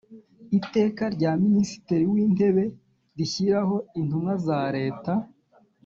iteka rya minisitiri w intebe rishyiraho intumwa za leta